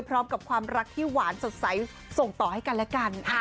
พร้อมกับความรักที่หวานสดใสส่งต่อให้กันและกัน